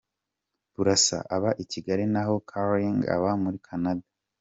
Burasa aba i Kigali na ho Gallican aba muri Canada.